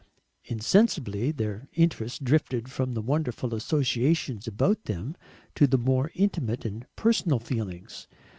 Insensibly their interest drifted from the wonderful associations about them to their more intimate and personal feelings.